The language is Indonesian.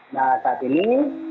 nah saat ini